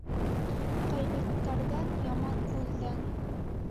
Ғәйбәттәрҙән, яман күҙҙән.